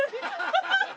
ハハハハ！